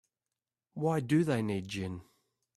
Why do they need gin?